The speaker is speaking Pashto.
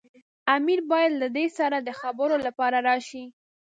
امیر باید له ده سره د خبرو لپاره راشي.